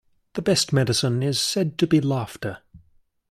The best medicine is said to be laughter.